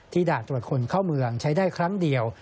ด่านตรวจคนเข้าเมืองใช้ได้ครั้งเดียว